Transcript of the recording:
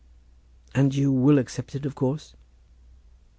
"And you will accept it, of course?"